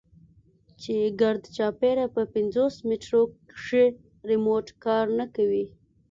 چې ګردچاپېره په پينځوس مټرو کښې ريموټ کار نه کوي.